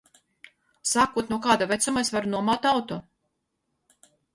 Sākot no kāda vecuma es varu nomāt auto?